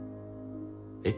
え？